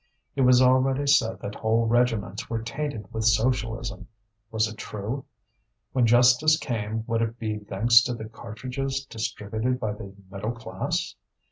It was already said that whole regiments were tainted with Socialism. Was it true? When justice came, would it be thanks to the cartridges distributed by the middle class?